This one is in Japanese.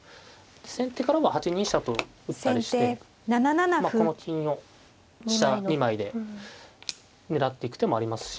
先手からは８二飛車と打ったりしてまあこの金を飛車２枚で狙っていく手もありますし。